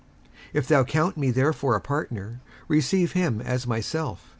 57:001:017 If thou count me therefore a partner, receive him as myself.